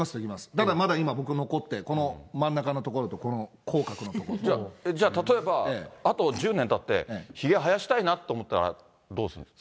ただ、まだ僕、今残って、じゃあ例えば、あと１０年たって、ひげ生やしたいなって思ったら、どうするんですか。